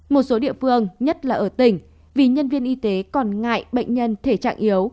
một số địa phương nhất là ở tỉnh vì nhân viên y tế còn ngại bệnh nhân thể trạng yếu